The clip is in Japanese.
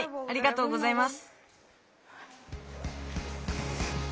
ありがとうございます。